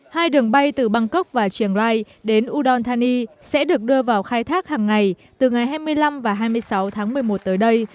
hai đường bay từ bangkok và chiềng rai đến udon thani sẽ được đưa vào khai thác hàng ngày từ ngày hai mươi năm và hai mươi sáu tháng một mươi một tới đây